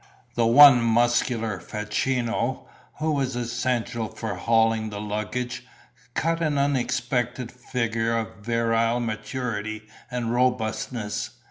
The one muscular facchino, who was essential for hauling the luggage, cut an unexpected figure of virile maturity and robustness.